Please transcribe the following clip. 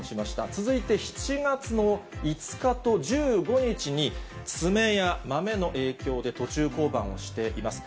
続いて７月の５日と１５日に、爪やまめの影響で、途中降板をしています。